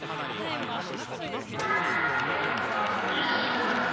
１勝１敗。